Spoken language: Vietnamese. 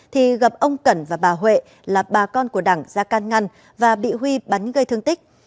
thì gặp ông cẩn và bà huệ là bà con của đẳng ra can ngăn và bị huy bắn gây thương tích